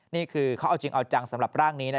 นี่คือเขาเอาจริงเอาจังสำหรับร่างนี้นะ